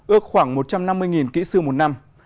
ước khoảng một trăm năm mươi kỹ sư một năm